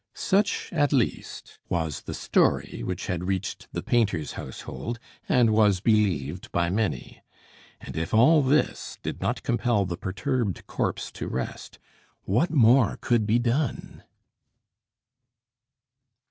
Such, at least, was the story which had reached the painter's household, and was believed by many; and if all this did not compel the perturbed corpse to rest, what more could be done?